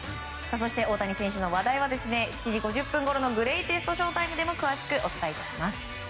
そして、大谷選手の話題は７時５０分ごろのグレイテストＳＨＯ‐ＴＩＭＥでも詳しくお伝え致します。